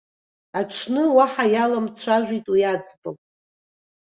Аҽны уаҳа иаламцәажәеит уи аӡбахә.